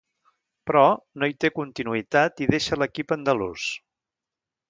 Però, no hi té continuïtat i deixa l'equip andalús.